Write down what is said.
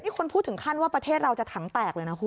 คนพูดถึงขั้นว่าประเทศเราจะถังแตกเลยนะคุณ